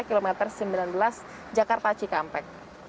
kilometer sembilan belas jakarta cikampek